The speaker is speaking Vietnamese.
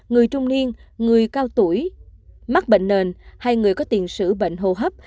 người trung niên người cao tuổi mắc bệnh nền hay người có tiền sử bệnh hô hấp